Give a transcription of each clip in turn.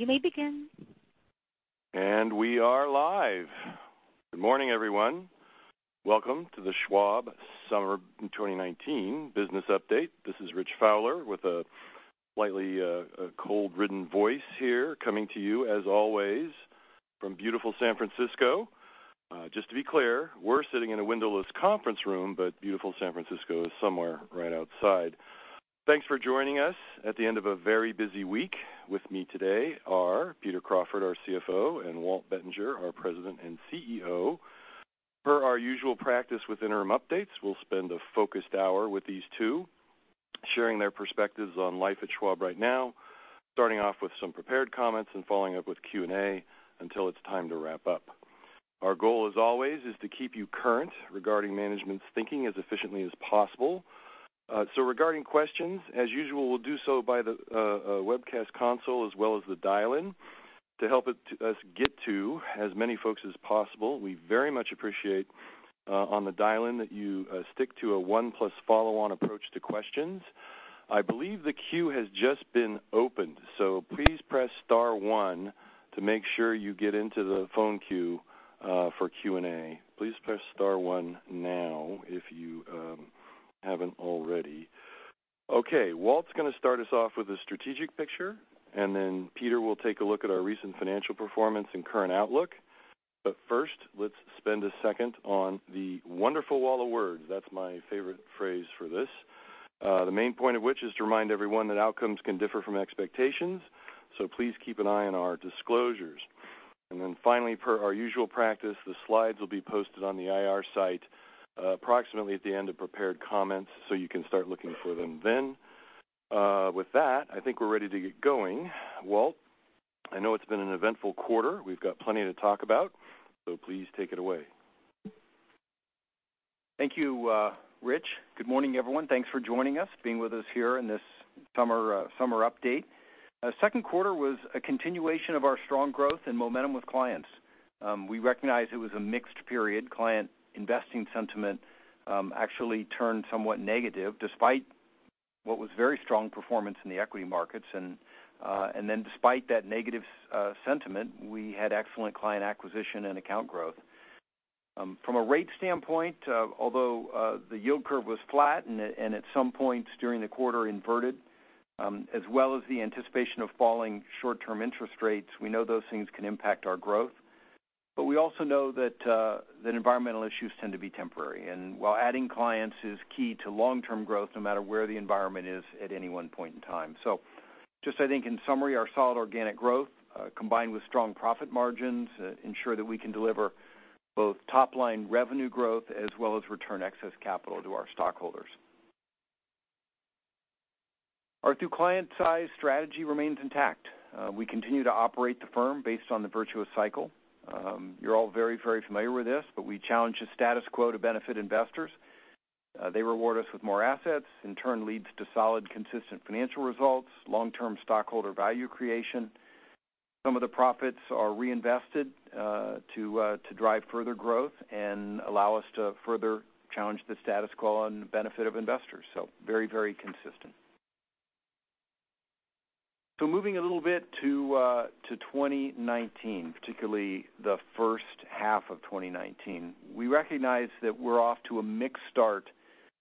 You may begin. We are live. Good morning, everyone. Welcome to the Schwab Summer 2019 Business Update. This is Rich Fowler with a slightly cold-ridden voice here coming to you, as always, from beautiful San Francisco. Just to be clear, we're sitting in a windowless conference room, but beautiful San Francisco is somewhere right outside. Thanks for joining us at the end of a very busy week. With me today are Peter Crawford, our CFO, and Walt Bettinger, our President and CEO. Per our usual practice with interim updates, we'll spend a focused hour with these two, sharing their perspectives on life at Schwab right now, starting off with some prepared comments and following up with Q&A until it's time to wrap up. Our goal, as always, is to keep you current regarding management's thinking as efficiently as possible. Regarding questions, as usual, we'll do so by the webcast console as well as the dial-in. To help us get to as many folks as possible, we very much appreciate on the dial-in that you stick to a one-plus-follow-on approach to questions. I believe the queue has just been opened, so please press star one to make sure you get into the phone queue for Q&A. Please press star one now if you haven't already. Okay. Walt's going to start us off with a strategic picture, and then Peter will take a look at our recent financial performance and current outlook. First, let's spend a second on the wonderful wall of words. That's my favorite phrase for this. The main point of which is to remind everyone that outcomes can differ from expectations. Please keep an eye on our disclosures. Finally, per our usual practice, the slides will be posted on the IR site approximately at the end of prepared comments, you can start looking for them then. With that, I think we're ready to get going. Walt, I know it's been an eventful quarter. We've got plenty to talk about, please take it away. Thank you, Rich. Good morning, everyone. Thanks for joining us, being with us here in this summer update. Second quarter was a continuation of our strong growth and momentum with clients. We recognize it was a mixed period. Client investing sentiment actually turned somewhat negative despite what was very strong performance in the equity markets. Despite that negative sentiment, we had excellent client acquisition and account growth. From a rate standpoint, although the yield curve was flat and at some points during the quarter inverted, as well as the anticipation of falling short-term interest rates, we know those things can impact our growth. We also know that environmental issues tend to be temporary, and while adding clients is key to long-term growth, no matter where the environment is at any one point in time. Just I think in summary, our solid organic growth, combined with strong profit margins, ensure that we can deliver both top-line revenue growth as well as return excess capital to our stockholders. Our Through Clients' Eyes strategy remains intact. We continue to operate the firm based on the virtuous cycle. You're all very familiar with this, but we challenge the status quo to benefit investors. They reward us with more assets, in turn leads to solid, consistent financial results, long-term stockholder value creation. Some of the profits are reinvested to drive further growth and allow us to further challenge the status quo on the benefit of investors. Very consistent. Moving a little bit to 2019, particularly the first half of 2019. We recognize that we're off to a mixed start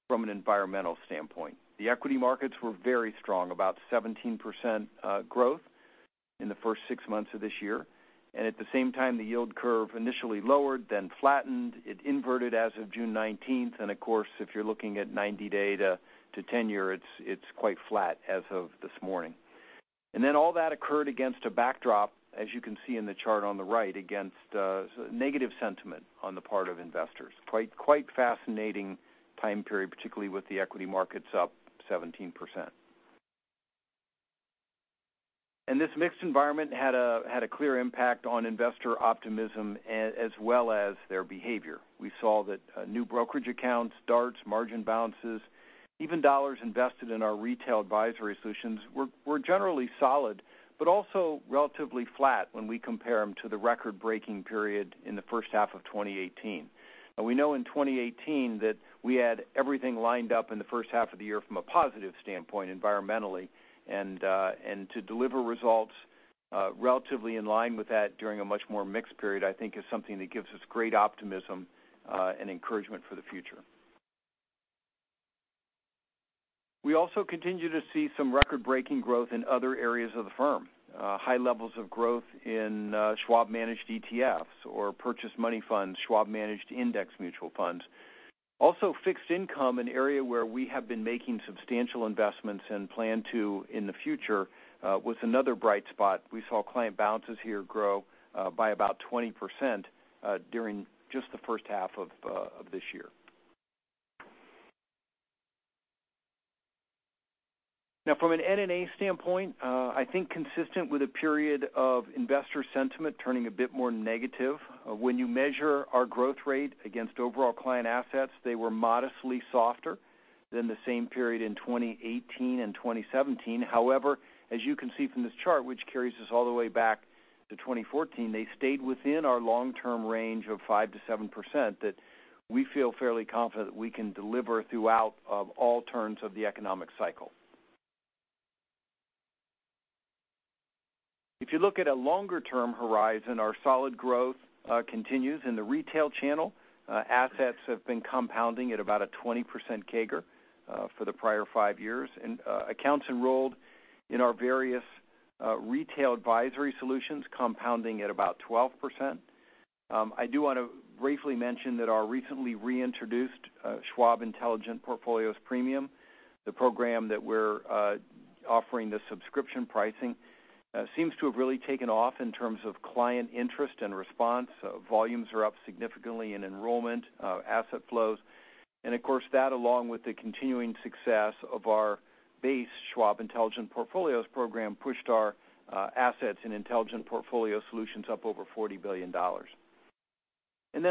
from an environmental standpoint. The equity markets were very strong, about 17% growth in the first six months of this year. At the same time, the yield curve initially lowered, then flattened. It inverted as of June 19th. Of course, if you're looking at 90-day data to 10-year, it's quite flat as of this morning. All that occurred against a backdrop, as you can see in the chart on the right, against negative sentiment on the part of investors. Quite fascinating time period, particularly with the equity markets up 17%. This mixed environment had a clear impact on investor optimism as well as their behavior. We saw that new brokerage accounts, DARTs, margin balances, even dollars invested in our retail advisory solutions were generally solid, but also relatively flat when we compare them to the record-breaking period in the first half of 2018. We know in 2018 that we had everything lined up in the first half of the year from a positive standpoint environmentally and to deliver results relatively in line with that during a much more mixed period, I think is something that gives us great optimism and encouragement for the future. We also continue to see some record-breaking growth in other areas of the firm. High levels of growth in Schwab Managed ETFs or purchased money funds, Schwab Managed Mutual Funds. Also fixed income, an area where we have been making substantial investments and plan to in the future, was another bright spot. We saw client balances here grow by about 20% during just the first half of this year. From an NNA standpoint, I think consistent with a period of investor sentiment turning a bit more negative. When you measure our growth rate against overall client assets, they were modestly softer than the same period in 2018 and 2017. As you can see from this chart, which carries us all the way back to 2014, they stayed within our long-term range of 5%-7% that we feel fairly confident we can deliver throughout all turns of the economic cycle. If you look at a longer-term horizon, our solid growth continues in the retail channel. Assets have been compounding at about a 20% CAGR for the prior five years, and accounts enrolled in our various retail advisory solutions compounding at about 12%. I do want to briefly mention that our recently reintroduced Schwab Intelligent Portfolios Premium, the program that we're offering the subscription pricing, seems to have really taken off in terms of client interest and response. Volumes are up significantly in enrollment, asset flows, and of course, that along with the continuing success of our base Schwab Intelligent Portfolios program, pushed our assets in Intelligent Portfolio solutions up over $40 billion.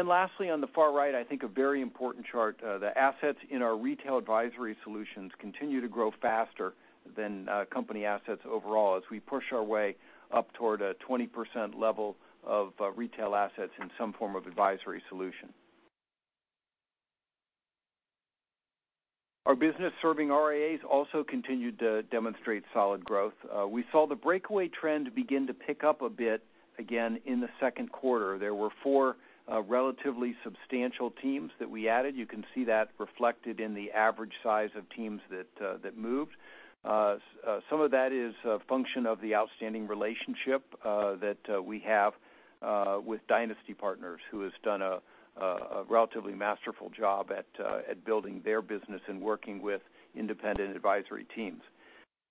Lastly, on the far right, I think a very important chart, the assets in our retail advisory solutions continue to grow faster than company assets overall as we push our way up toward a 20% level of retail assets in some form of advisory solution. Our business serving RIAs also continued to demonstrate solid growth. We saw the breakaway trend begin to pick up a bit again in the second quarter. There were four relatively substantial teams that we added. You can see that reflected in the average size of teams that moved. Some of that is a function of the outstanding relationship that we have with Dynasty Partners, who has done a relatively masterful job at building their business and working with independent advisory teams.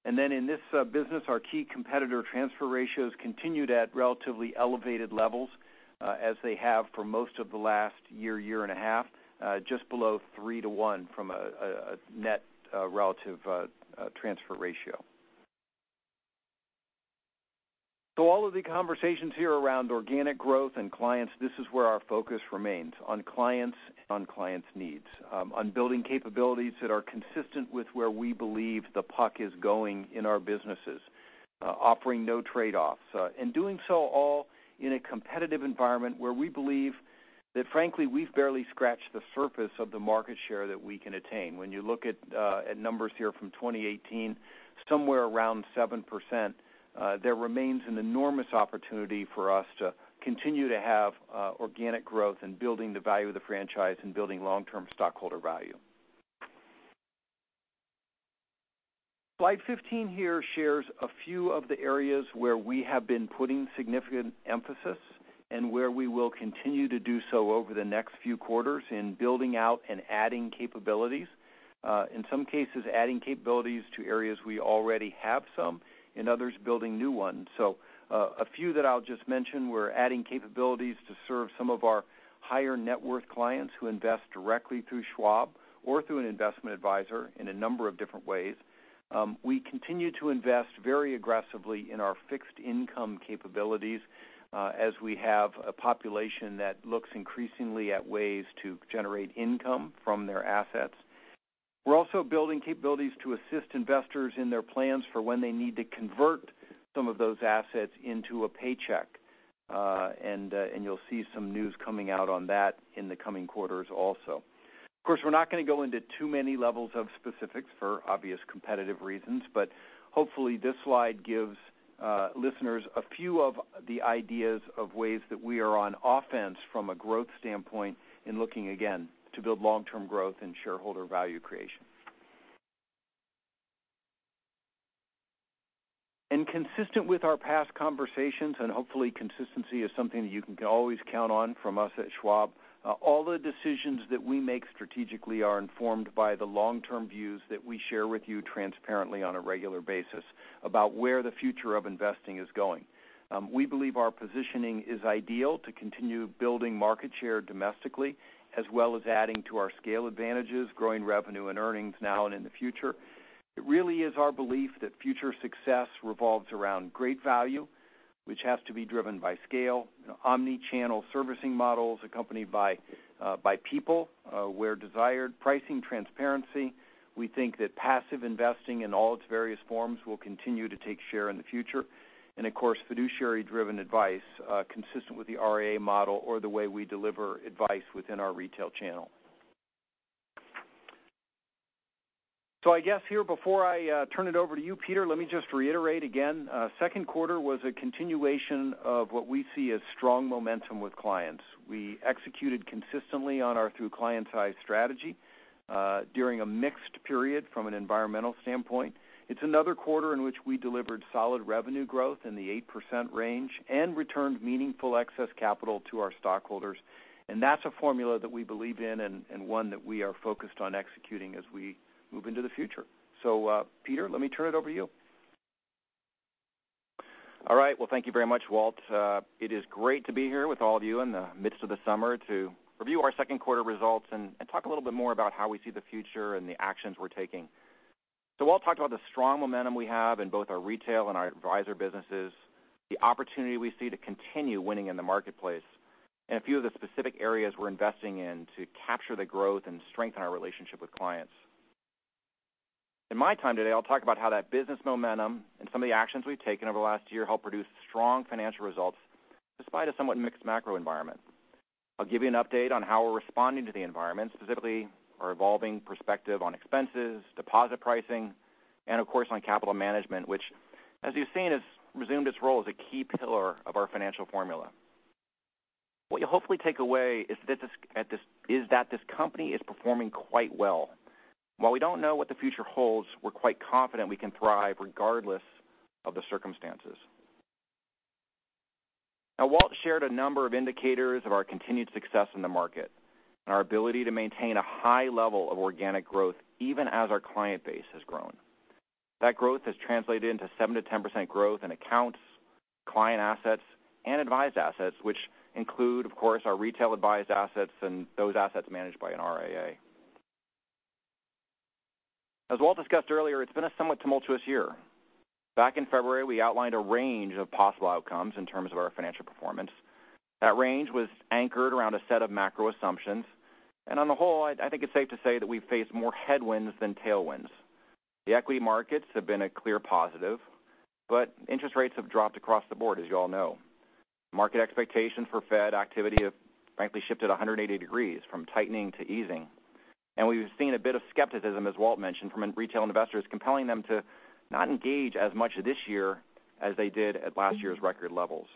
In this business, our key competitor transfer ratios continued at relatively elevated levels as they have for most of the last year and a half, just below 3:1 from a net relative transfer ratio. All of the conversations here around organic growth and clients, this is where our focus remains, on clients, on clients' needs, on building capabilities that are consistent with where we believe the puck is going in our businesses, offering no trade-offs, and doing so all in a competitive environment where we believe that frankly, we've barely scratched the surface of the market share that we can attain. When you look at numbers here from 2018, somewhere around 7%, there remains an enormous opportunity for us to continue to have organic growth and building the value of the franchise and building long-term stockholder value. Slide 15 here shares a few of the areas where we have been putting significant emphasis and where we will continue to do so over the next few quarters in building out and adding capabilities. In some cases, adding capabilities to areas we already have some, in others, building new ones. A few that I'll just mention, we're adding capabilities to serve some of our higher net worth clients who invest directly through Schwab or through an investment advisor in a number of different ways. We continue to invest very aggressively in our fixed income capabilities as we have a population that looks increasingly at ways to generate income from their assets. We're also building capabilities to assist investors in their plans for when they need to convert some of those assets into a paycheck, and you'll see some news coming out on that in the coming quarters also. Of course, we're not going to go into too many levels of specifics for obvious competitive reasons, but hopefully this slide gives listeners a few of the ideas of ways that we are on offense from a growth standpoint and looking again, to build long-term growth and shareholder value creation. Consistent with our past conversations, and hopefully consistency is something that you can always count on from us at Schwab, all the decisions that we make strategically are informed by the long-term views that we share with you transparently on a regular basis about where the future of investing is going. We believe our positioning is ideal to continue building market share domestically, as well as adding to our scale advantages, growing revenue and earnings now and in the future. It really is our belief that future success revolves around great value, which has to be driven by scale, omni-channel servicing models accompanied by people where desired, pricing transparency. We think that passive investing in all its various forms will continue to take share in the future. Of course, fiduciary-driven advice, consistent with the RIA model or the way we deliver advice within our retail channel. I guess here, before I turn it over to you, Peter, let me just reiterate again, second quarter was a continuation of what we see as strong momentum with clients. We executed consistently on our through client size strategy, during a mixed period from an environmental standpoint. It's another quarter in which we delivered solid revenue growth in the 8% range and returned meaningful excess capital to our stockholders. That's a formula that we believe in and one that we are focused on executing as we move into the future. Peter, let me turn it over to you. All right. Well, thank you very much, Walt. It is great to be here with all of you in the midst of the summer to review our second quarter results and talk a little bit more about how we see the future and the actions we're taking. Walt talked about the strong momentum we have in both our retail and our advisor businesses, the opportunity we see to continue winning in the marketplace, and a few of the specific areas we're investing in to capture the growth and strengthen our relationship with clients. In my time today, I'll talk about how that business momentum and some of the actions we've taken over the last year helped produce strong financial results despite a somewhat mixed macro environment. I'll give you an update on how we're responding to the environment, specifically our evolving perspective on expenses, deposit pricing, and of course, on capital management, which as you've seen, has resumed its role as a key pillar of our financial formula. What you'll hopefully take away is that this company is performing quite well. While we don't know what the future holds, we're quite confident we can thrive regardless of the circumstances. Walt shared a number of indicators of our continued success in the market and our ability to maintain a high level of organic growth even as our client base has grown. That growth has translated into 7%-10% growth in accounts, client assets and advised assets, which include, of course, our retail advised assets and those assets managed by an RIA. As Walt discussed earlier, it's been a somewhat tumultuous year. Back in February, we outlined a range of possible outcomes in terms of our financial performance. That range was anchored around a set of macro assumptions, and on the whole, I think it's safe to say that we've faced more headwinds than tailwinds. The equity markets have been a clear positive, but interest rates have dropped across the board as you all know. Market expectations for Fed activity have frankly shifted 180 degrees from tightening to easing. And we've seen a bit of skepticism, as Walt mentioned, from retail investors compelling them to not engage as much this year as they did at last year's record levels.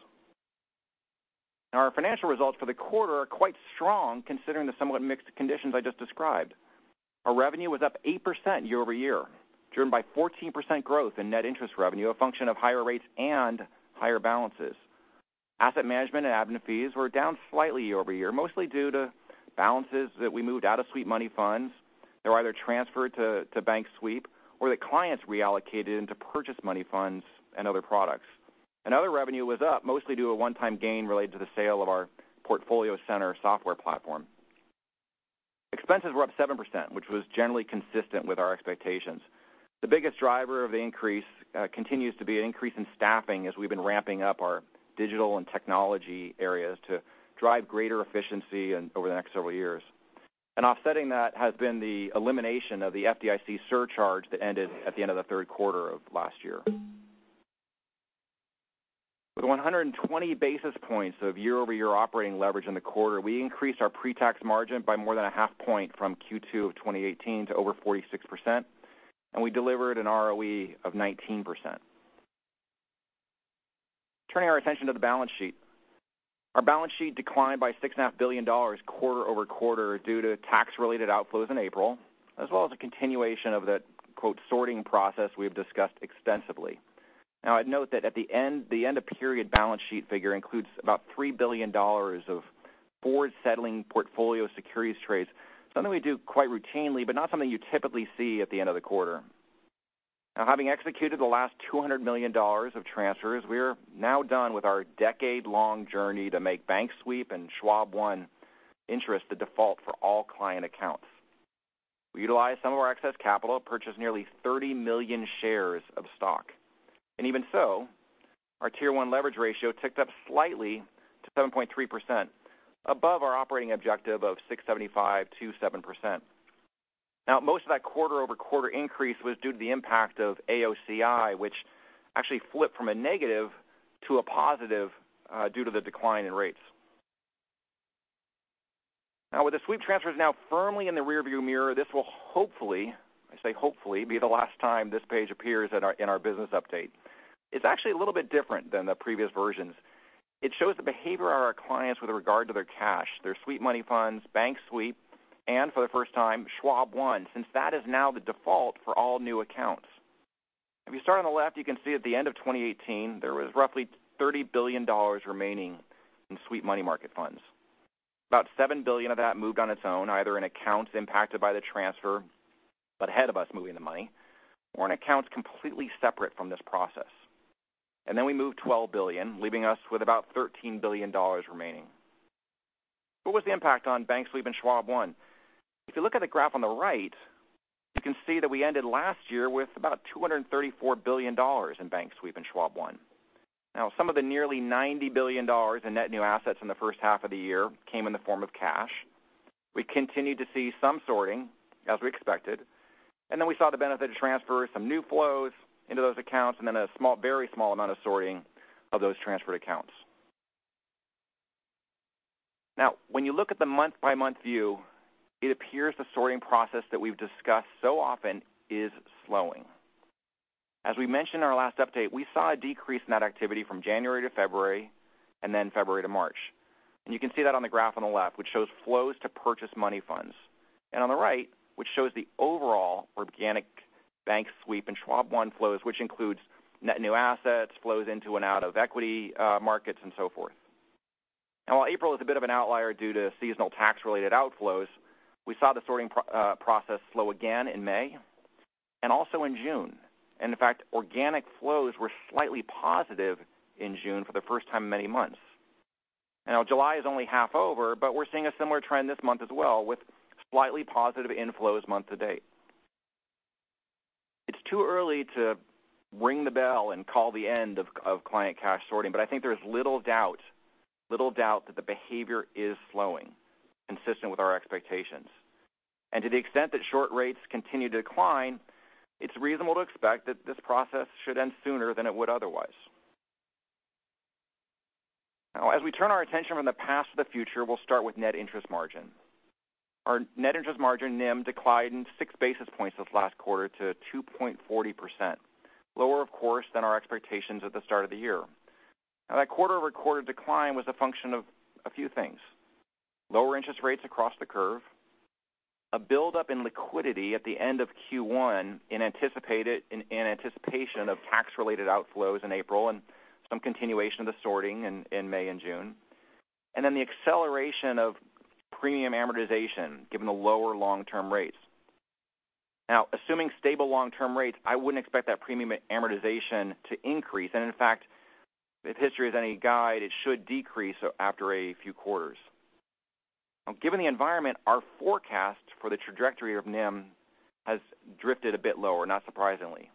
Now our financial results for the quarter are quite strong considering the somewhat mixed conditions I just described. Our revenue was up 8% year-over-year, driven by 14% growth in net interest revenue, a function of higher rates and higher balances. Asset management and admin fees were down slightly year-over-year, mostly due to balances that we moved out of sweep money market funds that were either transferred to Bank Sweep or the clients reallocated into purchased money funds and other products. Other revenue was up mostly due to a one-time gain related to the sale of our PortfolioCenter software platform. Expenses were up 7%, which was generally consistent with our expectations. The biggest driver of the increase continues to be an increase in staffing as we've been ramping up our digital and technology areas to drive greater efficiency over the next several years. Offsetting that has been the elimination of the FDIC surcharge that ended at the end of the third quarter of last year. With 120 basis points of year-over-year operating leverage in the quarter, we increased our pre-tax margin by more than a half point from Q2 of 2018 to over 46%, and we delivered an ROE of 19%. Turning our attention to the balance sheet. Our balance sheet declined by $6.5 billion quarter-over-quarter due to tax-related outflows in April, as well as a continuation of that "sorting process" we've discussed extensively. Now I'd note that at the end of period balance sheet figure includes about $3 billion of forward-settling portfolio securities trades, something we do quite routinely, but not something you typically see at the end of the quarter. Now having executed the last $200 million of transfers, we are now done with our decade-long journey to make Bank Sweep and Schwab One interest the default for all client accounts. We utilized some of our excess capital to purchase nearly 30 million shares of stock. Even so, our Tier 1 leverage ratio ticked up slightly to 7.3%, above our operating objective of 6.75%-7%. Most of that quarter-over-quarter increase was due to the impact of AOCI, which actually flipped from a negative to a positive due to the decline in rates. With the sweep transfers now firmly in the rearview mirror, this will hopefully, I say hopefully, be the last time this page appears in our business update. It's actually a little bit different than the previous versions. It shows the behavior of our clients with regard to their cash, their sweep money market funds, Bank Sweep, and for the first time, Schwab One, since that is now the default for all new accounts. If you start on the left, you can see at the end of 2018, there was roughly $30 billion remaining in sweep money market funds. About $7 billion of that moved on its own, either in accounts impacted by the transfer, but ahead of us moving the money or in accounts completely separate from this process. We moved $12 billion, leaving us with about $13 billion remaining. What was the impact on bank sweep and Schwab One? If you look at the graph on the right, you can see that we ended last year with about $234 billion in bank sweep and Schwab One. Now some of the nearly $90 billion in net new assets in the first half of the year came in the form of cash. We continued to see some sorting as we expected, and then we saw the benefit of transfers, some new flows into those accounts, and then a very small amount of sorting of those transferred accounts. Now when you look at the month-by-month view, it appears the sorting process that we've discussed so often is slowing. As we mentioned in our last update, we saw a decrease in that activity from January to February and then February to March. You can see that on the graph on the left, which shows flows to purchased money funds. On the right, which shows the overall organic Bank Sweep and Schwab One flows, which includes net new assets, flows into and out of equity markets, and so forth. While April is a bit of an outlier due to seasonal tax-related outflows, we saw the sorting process slow again in May and also in June. In fact, organic flows were slightly positive in June for the first time in many months. July is only half over, but we're seeing a similar trend this month as well with slightly positive inflows month to date. It's too early to ring the bell and call the end of client cash sorting, but I think there is little doubt that the behavior is slowing, consistent with our expectations. To the extent that short rates continue to decline, it's reasonable to expect that this process should end sooner than it would otherwise. As we turn our attention from the past to the future, we'll start with net interest margin. Our net interest margin, NIM, declined six basis points this last quarter to 2.40%, lower, of course, than our expectations at the start of the year. That quarter-over-quarter decline was a function of a few things: lower interest rates across the curve, a buildup in liquidity at the end of Q1 in anticipation of tax-related outflows in April, some continuation of the sorting in May and June, and the acceleration of premium amortization, given the lower long-term rates. Assuming stable long-term rates, I wouldn't expect that premium amortization to increase. In fact, if history is any guide, it should decrease after a few quarters. Given the environment, our forecast for the trajectory of NIM has drifted a bit lower, not surprisingly.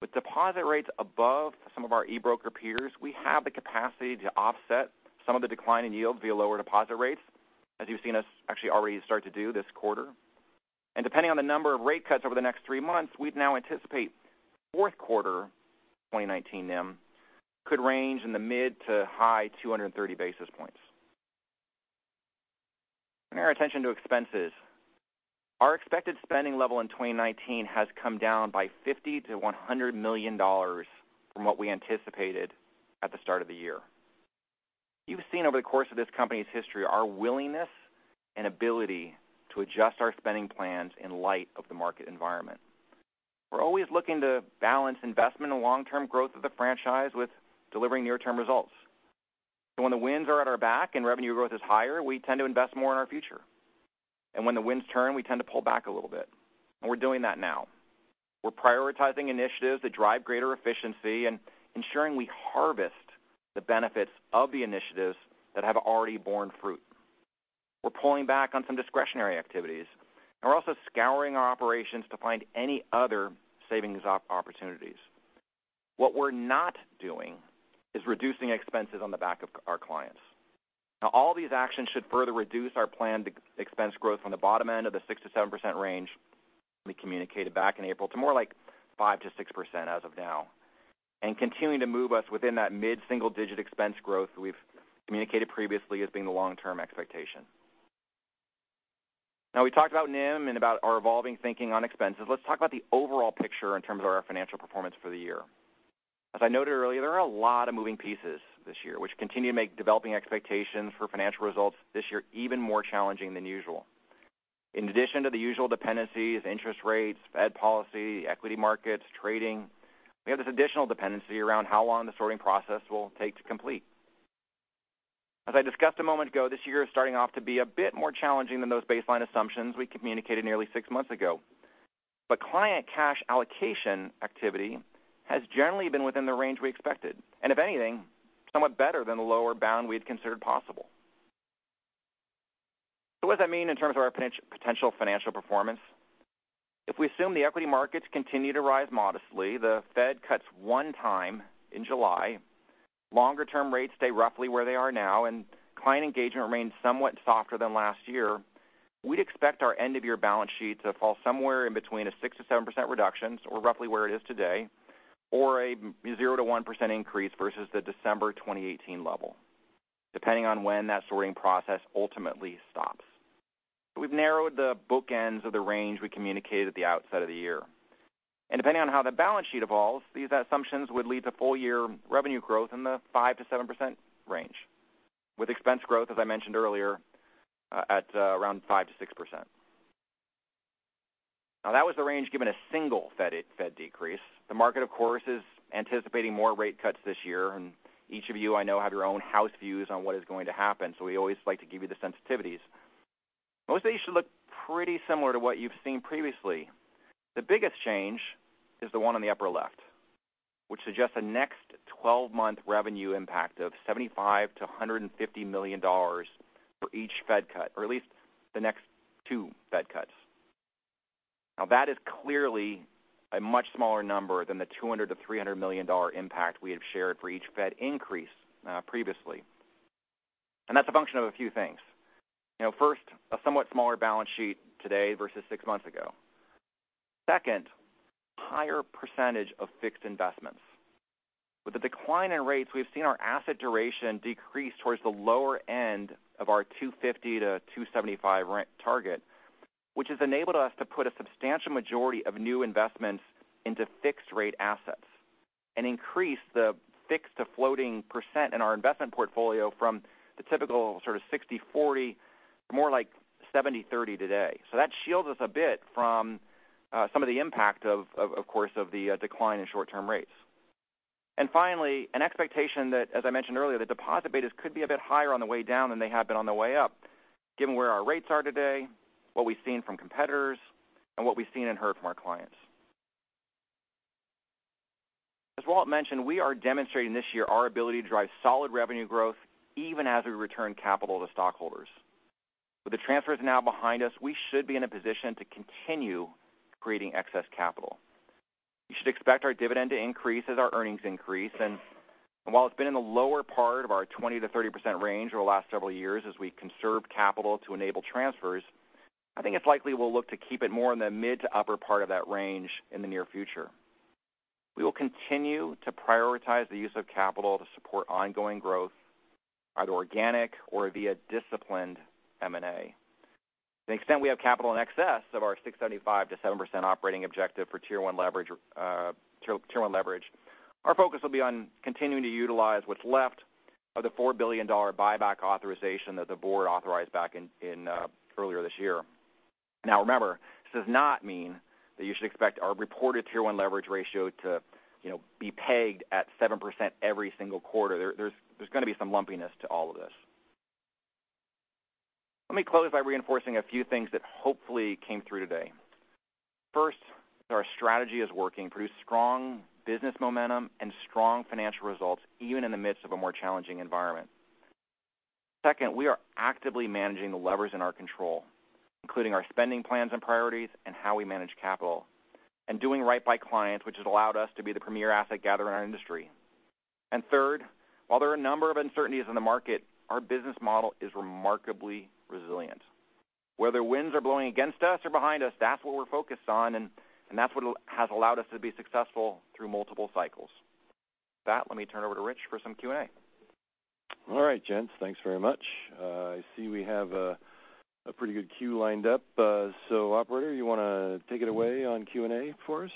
With deposit rates above some of our e-broker peers, we have the capacity to offset some of the decline in yield via lower deposit rates, as you've seen us actually already start to do this quarter. Depending on the number of rate cuts over the next three months, we'd now anticipate fourth quarter 2019 NIM could range in the mid to high 230 basis points. Turn our attention to expenses. Our expected spending level in 2019 has come down by $50 million-$100 million from what we anticipated at the start of the year. You've seen over the course of this company's history our willingness and ability to adjust our spending plans in light of the market environment. We're always looking to balance investment and long-term growth of the franchise with delivering near-term results. When the winds are at our back and revenue growth is higher, we tend to invest more in our future. When the winds turn, we tend to pull back a little bit. We're doing that now. We're prioritizing initiatives that drive greater efficiency and ensuring we harvest the benefits of the initiatives that have already borne fruit. We're pulling back on some discretionary activities, we're also scouring our operations to find any other savings opportunities. What we're not doing is reducing expenses on the back of our clients. All these actions should further reduce our planned expense growth from the bottom end of the 6%-7% range we communicated back in April to more like 5%-6% as of now. Continuing to move us within that mid-single digit expense growth we've communicated previously as being the long-term expectation. We talked about NIM and about our evolving thinking on expenses. Let's talk about the overall picture in terms of our financial performance for the year. As I noted earlier, there are a lot of moving pieces this year, which continue to make developing expectations for financial results this year even more challenging than usual. In addition to the usual dependencies, interest rates, Fed policy, equity markets, trading, we have this additional dependency around how long the sorting process will take to complete. As I discussed a moment ago, this year is starting off to be a bit more challenging than those baseline assumptions we communicated nearly six months ago. Client cash allocation activity has generally been within the range we expected, and if anything, somewhat better than the lower bound we'd considered possible. What does that mean in terms of our potential financial performance? If we assume the equity markets continue to rise modestly, the Fed cuts one time in July, longer-term rates stay roughly where they are now, and client engagement remains somewhat softer than last year, we'd expect our end-of-year balance sheet to fall somewhere in between a 6%-7% reduction, so roughly where it is today, or a 0%-1% increase versus the December 2018 level, depending on when that sorting process ultimately stops. We've narrowed the bookends of the range we communicated at the outset of the year. Depending on how the balance sheet evolves, these assumptions would lead to full-year revenue growth in the 5%-7% range, with expense growth, as I mentioned earlier, at around 5%-6%. That was the range given a single Fed decrease. The market, of course, is anticipating more rate cuts this year. Each of you, I know, have your own house views on what is going to happen, so we always like to give you the sensitivities. Most of these should look pretty similar to what you've seen previously. The biggest change is the one on the upper left, which suggests a next 12-month revenue impact of $75 million-$150 million for each Fed cut, or at least the next two Fed cuts. That is clearly a much smaller number than the $200 million-$300 million impact we had shared for each Fed increase previously. That's a function of a few things. A somewhat smaller balance sheet today versus six months ago. Higher percentage of fixed investments. With the decline in rates, we've seen our asset duration decrease towards the lower end of our 250-275 target, which has enabled us to put a substantial majority of new investments into fixed rate assets and increase the fixed to floating percent in our investment portfolio from the typical sort of 60/40 to more like 70/30 today. That shields us a bit from some of the impact, of course, of the decline in short-term rates. Finally, an expectation that, as I mentioned earlier, the deposit betas could be a bit higher on the way down than they have been on the way up, given where our rates are today, what we've seen from competitors, and what we've seen and heard from our clients. As Walt mentioned, we are demonstrating this year our ability to drive solid revenue growth even as we return capital to stockholders. With the transfers now behind us, we should be in a position to continue creating excess capital. You should expect our dividend to increase as our earnings increase. While it's been in the lower part of our 20%-30% range over the last several years as we've conserved capital to enable transfers, I think it's likely we'll look to keep it more in the mid to upper part of that range in the near future. We will continue to prioritize the use of capital to support ongoing growth, either organic or via disciplined M&A. To the extent we have capital in excess of our 6.75%-7% operating objective for Tier 1 leverage, our focus will be on continuing to utilize what's left of the $4 billion buyback authorization that the board authorized back earlier this year. Now remember, this does not mean that you should expect our reported Tier 1 leverage ratio to be pegged at 7% every single quarter. There's going to be some lumpiness to all of this. Let me close by reinforcing a few things that hopefully came through today. First, our strategy is working to produce strong business momentum and strong financial results, even in the midst of a more challenging environment. Second, we are actively managing the levers in our control, including our spending plans and priorities and how we manage capital and doing right by clients, which has allowed us to be the premier asset gatherer in our industry. Third, while there are a number of uncertainties in the market, our business model is remarkably resilient. Whether winds are blowing against us or behind us, that's what we're focused on, and that's what has allowed us to be successful through multiple cycles. With that, let me turn over to Rich for some Q&A. All right, gents, thanks very much. I see we have a pretty good queue lined up. Operator, you want to take it away on Q&A for us?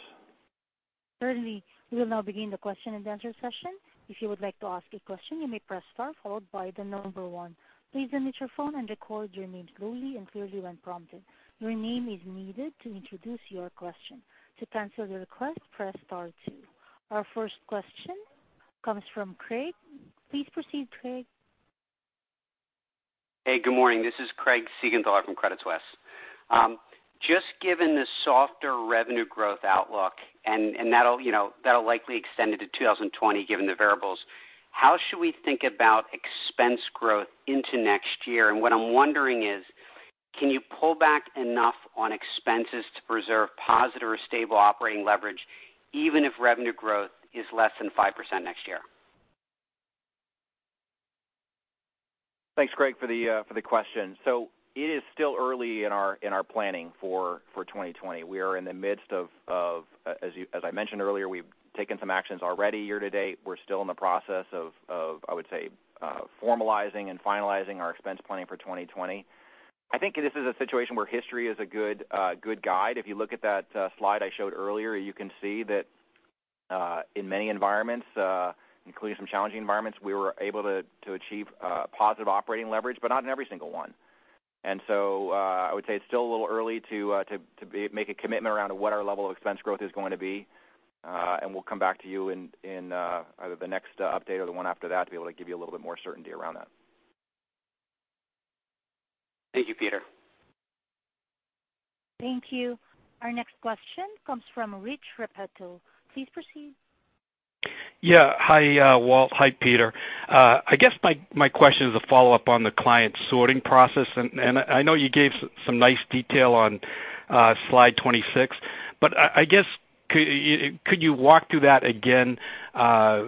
Certainly. We will now begin the question and answer session. If you would like to ask a question, you may press star followed by the number one. Please unmute your phone and record your name slowly and clearly when prompted. Your name is needed to introduce your question. To cancel the request, press star two. Our first question comes from Craig. Please proceed, Craig. Hey, good morning. This is Craig Siegenthaler from Credit Suisse. Just given the softer revenue growth outlook, and that'll likely extend into 2020 given the variables, how should we think about expense growth into next year? What I'm wondering is, can you pull back enough on expenses to preserve positive or stable operating leverage even if revenue growth is less than 5% next year? Thanks, Craig, for the question. It is still early in our planning for 2020. We are in the midst of, as I mentioned earlier, we've taken some actions already year to date. We're still in the process of, I would say, formalizing and finalizing our expense planning for 2020. I think this is a situation where history is a good guide. If you look at that slide I showed earlier, you can see that in many environments including some challenging environments, we were able to achieve positive operating leverage, but not in every single one. I would say it's still a little early to make a commitment around what our level of expense growth is going to be. We'll come back to you in either the next update or the one after that to be able to give you a little bit more certainty around that. Thank you, Peter. Thank you. Our next question comes from Rich Repetto. Please proceed. Yeah. Hi, Walt. Hi, Peter. I guess my question is a follow-up on the client sorting process, and I know you gave some nice detail on slide 26. I guess could you walk through that again, is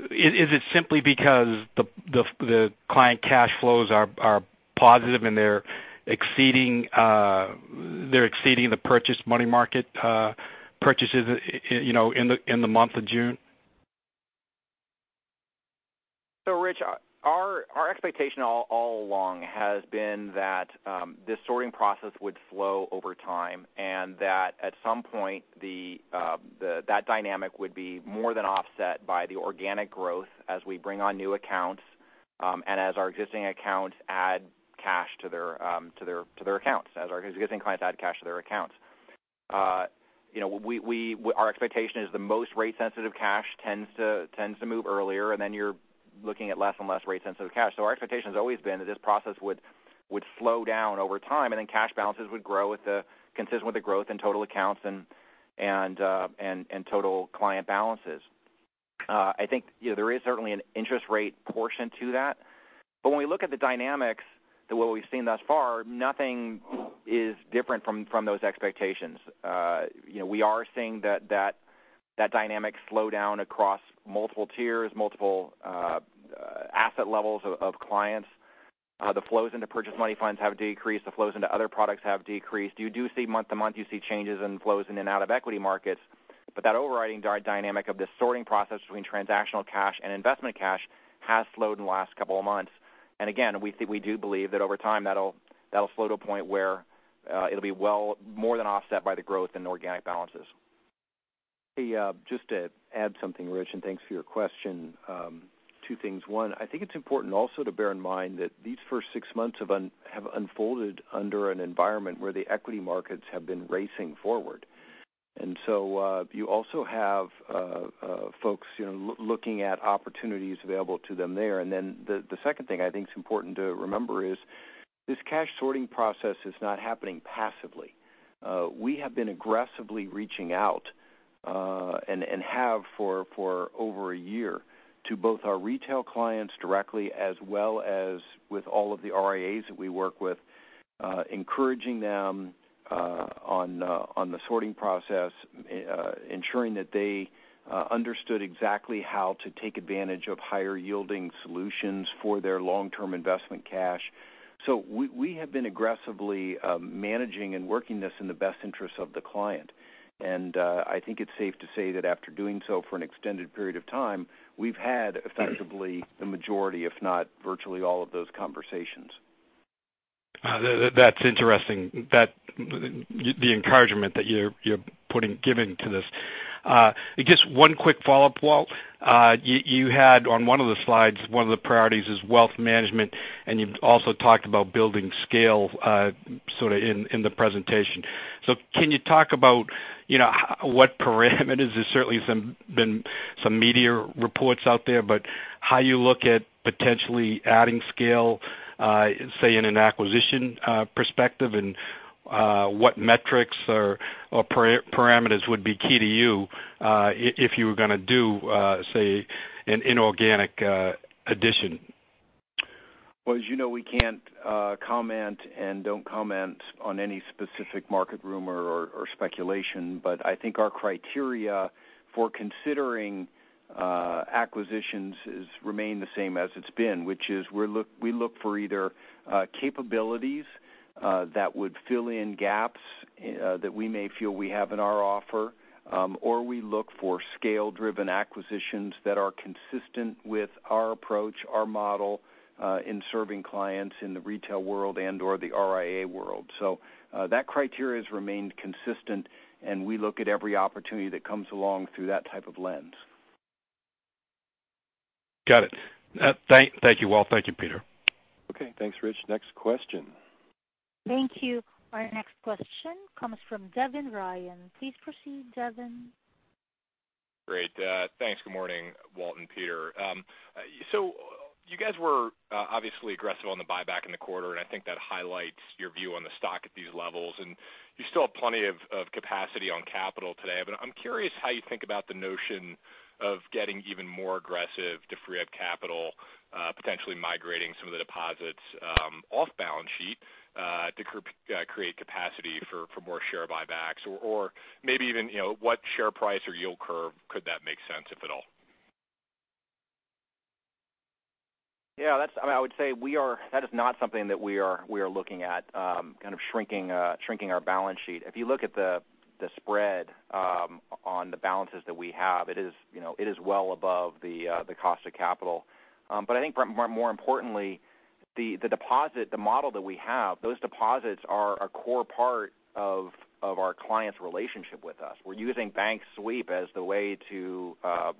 it simply because the client cash flows are positive and they're exceeding the purchase money market purchases in the month of June? Rich, our expectation all along has been that this sorting process would flow over time, and that at some point that dynamic would be more than offset by the organic growth as we bring on new accounts and as our existing clients add cash to their accounts. Our expectation is the most rate sensitive cash tends to move earlier, you're looking at less and less rate sensitive cash. Our expectation has always been that this process would slow down over time, cash balances would grow consistent with the growth in total accounts and total client balances. I think there is certainly an interest rate portion to that. When we look at the dynamics to what we've seen thus far, nothing is different from those expectations. We are seeing that dynamic slow down across multiple tiers, multiple asset levels of clients. The flows into purchased money funds have decreased. The flows into other products have decreased. You do see month-to-month, you see changes in flows in and out of equity markets. That overriding dynamic of this sorting process between transactional cash and investment cash has slowed in the last couple of months. Again, we do believe that over time, that'll slow to a point where it'll be more than offset by the growth in organic balances. Just to add something, Rich, and thanks for your question. Two things. One, I think it's important also to bear in mind that these first six months have unfolded under an environment where the equity markets have been racing forward. You also have folks looking at opportunities available to them there. The second thing I think is important to remember is this cash sorting process is not happening passively. We have been aggressively reaching out and have for over a year to both our retail clients directly as well as with all of the RIAs that we work with, encouraging them on the sorting process, ensuring that they understood exactly how to take advantage of higher yielding solutions for their long-term investment cash. We have been aggressively managing and working this in the best interest of the client. I think it's safe to say that after doing so for an extended period of time, we've had effectively the majority, if not virtually all of those conversations. That's interesting, the encouragement that you're giving to this. Just one quick follow-up, Walt. You had on one of the slides, one of the priorities is wealth management, and you've also talked about building scale in the presentation. Can you talk about what parameters, there's certainly been some media reports out there, but how you look at potentially adding scale, say in an acquisition perspective, and what metrics or parameters would be key to you if you were going to do an inorganic addition? As you know, we can't comment and don't comment on any specific market rumor or speculation. I think our criteria for considering acquisitions remain the same as it's been, which is we look for either capabilities that would fill in gaps that we may feel we have in our offer, or we look for scale-driven acquisitions that are consistent with our approach, our model in serving clients in the retail world and or the RIA world. That criteria has remained consistent, and we look at every opportunity that comes along through that type of lens. Got it. Thank you, Walt. Thank you, Peter. Okay. Thanks, Rich. Next question. Thank you. Our next question comes from Devin Ryan. Please proceed, Devin. Great. Thanks. Good morning, Walt and Peter. You guys were obviously aggressive on the buyback in the quarter, and I think that highlights your view on the stock at these levels, and you still have plenty of capacity on capital today. I'm curious how you think about the notion of getting even more aggressive to free up capital, potentially migrating some of the deposits off balance sheet to create capacity for more share buybacks or maybe even what share price or yield curve could that make sense, if at all? Yeah. I would say that is not something that we are looking at, kind of shrinking our balance sheet. If you look at the spread on the balances that we have, it is well above the cost of capital. I think more importantly, the model that we have, those deposits are a core part of our clients' relationship with us. We're using Bank Sweep as part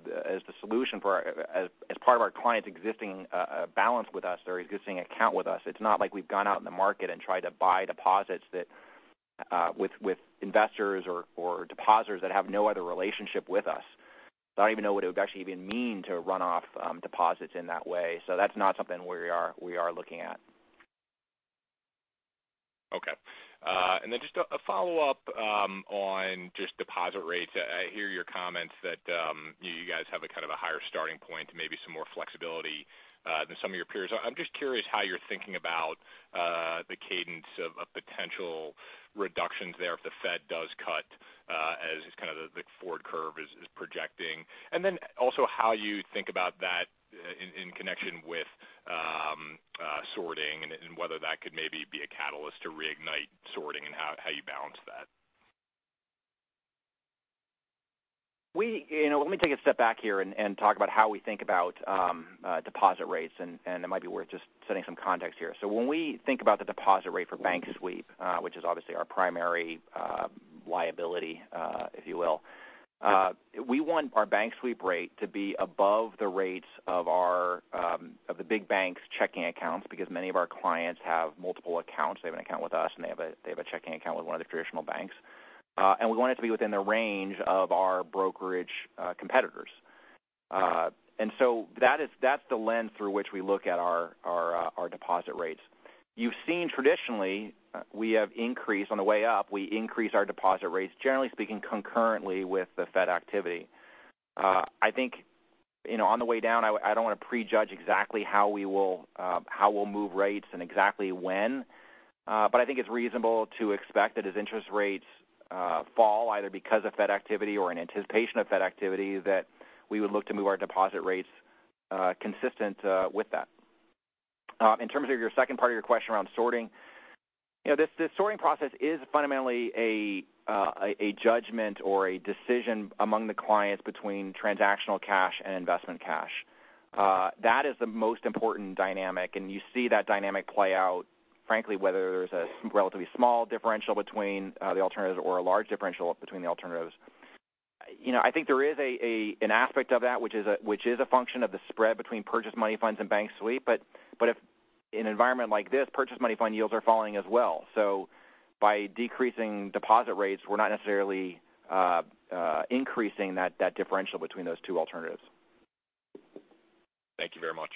of our clients existing balance with us, their existing account with us. It's not like we've gone out in the market and tried to buy deposits with investors or depositors that have no other relationship with us. I don't even know what it would actually even mean to run off deposits in that way. That's not something we are looking at. Okay. Just a follow-up on just deposit rates. I hear your comments that you guys have a kind of a higher starting point, maybe some more flexibility than some of your peers. I'm just curious how you're thinking about the cadence of potential reductions there if the Fed does cut as kind of the forward curve is projecting. Also how you think about that in connection with sorting, and whether that could maybe be a catalyst to reignite sorting and how you balance that. Let me take a step back here and talk about how we think about deposit rates, and it might be worth just setting some context here. When we think about the deposit rate for Bank Sweep, which is obviously our primary liability if you will, we want our Bank Sweep rate to be above the rates of the big banks' checking accounts because many of our clients have multiple accounts. They have an account with us, and they have a checking account with one of the traditional banks. We want it to be within the range of our brokerage competitors. That's the lens through which we look at our deposit rates. You've seen traditionally, on the way up, we increase our deposit rates, generally speaking, concurrently with the Fed activity. I think on the way down, I don't want to prejudge exactly how we'll move rates and exactly when. I think it's reasonable to expect that as interest rates fall, either because of Fed activity or in anticipation of Fed activity, that we would look to move our deposit rates consistent with that. In terms of your second part of your question around sorting. The sorting process is fundamentally a judgment or a decision among the clients between transactional cash and investment cash. That is the most important dynamic, and you see that dynamic play out, frankly, whether there's a relatively small differential between the alternatives or a large differential between the alternatives. I think there is an aspect of that which is a function of the spread between purchased money funds and Bank Sweep. If in an environment like this, purchased money fund yields are falling as well. By decreasing deposit rates, we're not necessarily increasing that differential between those two alternatives. Thank you very much.